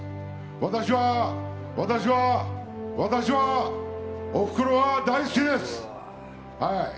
私は、私は、私はおふくろが大好きです。